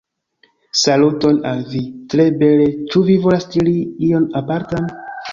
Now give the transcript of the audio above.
Saluton al vi! tre bele ĉu vi volas diri ion apartan?